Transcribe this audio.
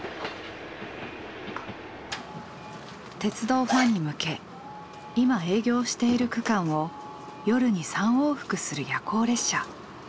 鉄道ファンに向け今営業している区間を夜に３往復する夜行列車。